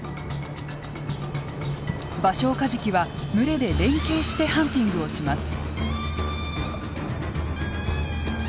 バショウカジキは群れで連携してハンティングをします。